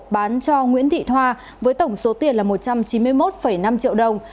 bán cho nguyễn thị thoa với tổng số tiền là một trăm chín mươi một năm triệu đồng